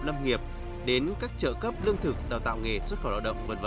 lâm nghiệp đến các trợ cấp lương thực đào tạo nghề xuất khẩu lao động v v